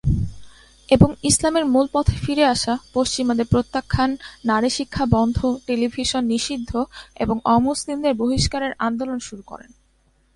এবং ইসলামের মূল পথে ফিরে আসা, পশ্চিমাদের প্রত্যাখ্যান, নারী শিক্ষা বন্ধ, টেলিভিশন নিষিদ্ধ এবং অ-মুসলিমদের বহিষ্কারের আন্দোলন শুরু করেন।